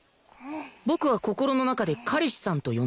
僕は心の中で「彼氏さん」と呼んでいる